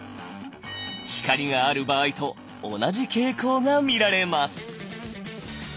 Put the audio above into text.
光がある場合と同じ傾向が見られます。